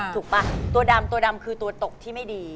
ถูกป่ะตัวดำคือตัวตกที่ไม่ดี